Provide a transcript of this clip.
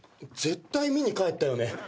絶対見に帰ったよね。